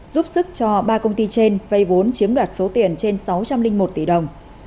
giúp sức cho ba công ty trên vay vốn chiếm đoạt số tiền trên sáu trăm linh một tỷ đồng